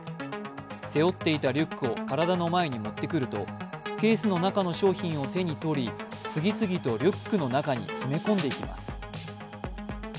背負っていたリュックを体の前に持ってくるとケースの中の商品を手に取り次々とリュックの中に詰め込んでいきます。